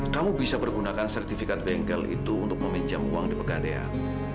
kamu bisa bergunakan sertifikat bengkel itu untuk meminjam uang di pegadean